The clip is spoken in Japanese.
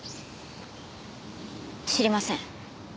知りません。